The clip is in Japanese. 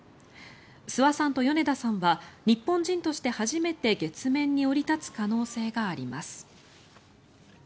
諏訪さんと米田さんは日本人として初めて月面に降り立つ可能性があります。